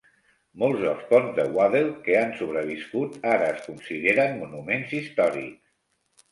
Molts dels ponts de Waddell que han sobreviscut ara es consideren monuments històrics.